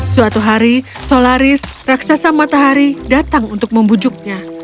suatu hari solaris raksasa matahari datang untuk membujuknya